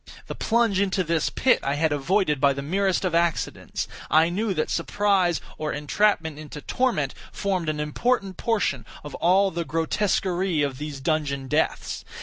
The plunge into this pit I had avoided by the merest of accidents, I knew that surprise, or entrapment into torment, formed an important portion of all the grotesquerie of these dungeon deaths.